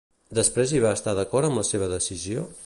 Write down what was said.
Després hi va estar d'acord amb la seva decisió?